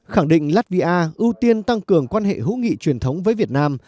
khẳng định latvia ưu tiên tăng cường quan hệ hữu nghị truyền thống với việt nam